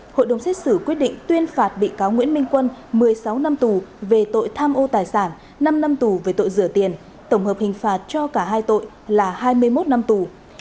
hội đồng xét xử quyết định tuyên phạt bị cáo nguyễn minh quân một mươi sáu năm tù về tội tham ô tài sản năm năm tù về tội rửa tiền tổng hợp hình phạt cho cả hai tội là hai mươi một năm tù